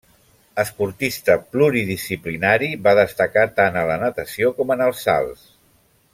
Esportista pluridisciplinari, va destacar tant en la natació com en els salts.